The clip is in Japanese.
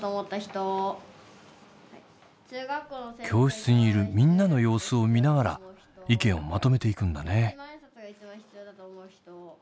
教室にいるみんなの様子を見ながら意見をまとめていくんだね。